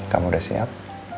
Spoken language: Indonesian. kamu udah siap